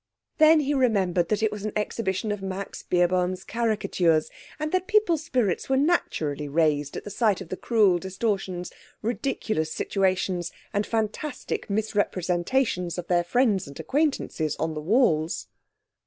Then he remembered that it was an exhibition of Max Beerbohm's caricatures, and that people's spirits were naturally raised at the sight of the cruel distortions, ridiculous situations, and fantastic misrepresentations of their friends and acquaintances on the walls.